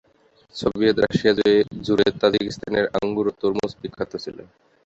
Soviet Russia জুড়ে তাজিকিস্তানের আঙ্গুর ও তরমুজ বিখ্যাত ছিল।